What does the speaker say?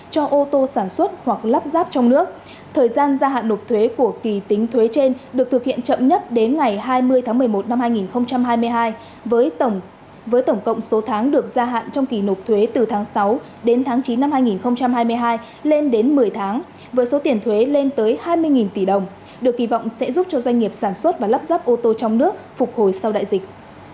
theo đó đề xuất chính phủ quy định gia hạn thời hạn nộp thuế của kỳ tính thuế trên được thực hiện chậm nhất đến ngày hai mươi tháng một mươi một năm hai nghìn hai mươi hai với tổng cộng số tháng được gia hạn trong kỳ nộp thuế từ tháng sáu đến tháng chín năm hai nghìn hai mươi hai lên đến một mươi tháng với số tiền thuế lên tới hai mươi tỷ đồng được kỳ vọng sẽ giúp cho doanh nghiệp sản xuất và lắp ráp ô tô trong nước phục hồi sau đại dịch